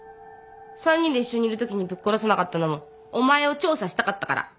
３人で一緒にいるときにぶっ殺さなかったのもお前を調査したかったから。